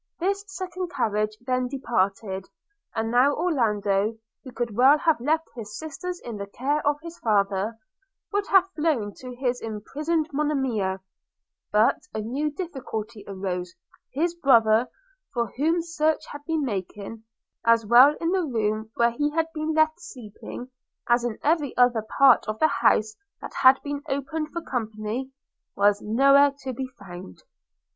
This second carriage then departed; and now Orlando, who could well have left his sisters in the care of his father, would have flown to his imprisoned Monimia – But a new difficulty arose: his brother, for whom search had been making, as well in the room where he had been left sleeping, as in every other part of the house that had been opened for company, was no where to be found.